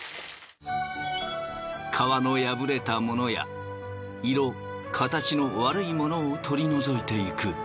皮の破れたものや色形の悪いものを取り除いていく。